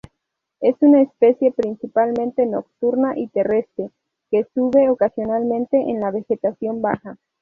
Es una especie principalmente nocturna y terrestre, que sube ocasionalmente en la vegetación baja.